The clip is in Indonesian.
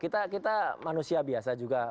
kita manusia biasa juga